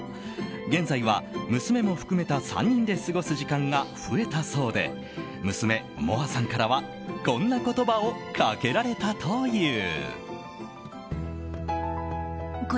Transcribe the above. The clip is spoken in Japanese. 現在は娘も含めた３人で過ごす時間が増えたそうで娘・もあさんからはこんな言葉をかけられたという。